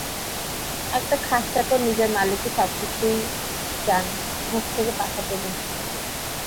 একটা খাস চাকর নিজের মালিকের সবকিছুই জানে, মুখ থেকে পাছা পর্যন্ত।